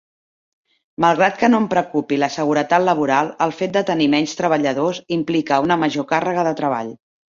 Malgrat que no em preocupi la seguretat laboral, el fet de tenir menys treballadors implica una major càrrega de treball.